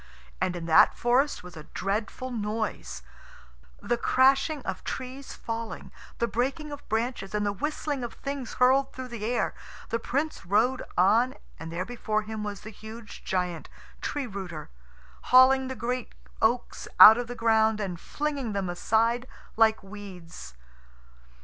And in that forest was a dreadful noise the crashing of trees falling, the breaking of branches, and the whistling of things hurled through the air. The Prince rode on, and there before him was the huge giant, Tree rooter, hauling the great oaks out of the ground and flinging them aside like weeds.